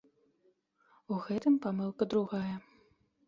У гэтым памылка другая.